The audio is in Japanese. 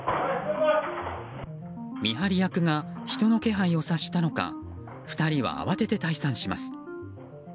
見張り役が人の気配を察したのか２人は慌てて退散します。